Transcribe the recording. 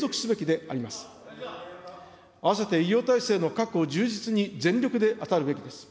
あわせて医療体制の確保、充実に全力であたるべきです。